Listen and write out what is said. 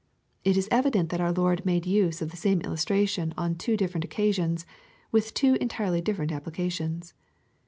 It is evident that our Lord made use of the same illustration on two different occasions, and with two entirely different applications.